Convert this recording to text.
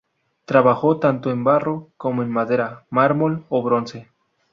Trabajó tanto en barro como en madera, mármol o bronce.